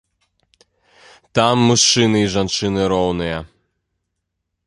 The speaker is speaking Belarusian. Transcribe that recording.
Там мужчыны і жанчыны роўныя.